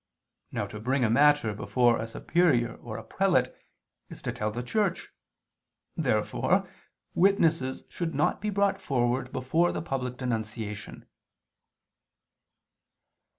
Now to bring a matter before a superior or a prelate is to tell the Church. Therefore witnesses should not be brought forward before the public denunciation.